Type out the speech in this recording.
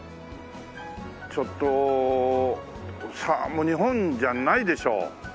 ちょっともう日本じゃないでしょう。